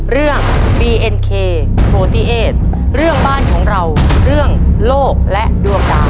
เรื่องบีเอ็นเคโฟตี้เอสเรื่องบ้านของเราเรื่องโลกและดวงดาว